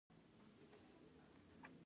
موږ له دیکتاتورۍ څخه ډیموکراسۍ ته ځو.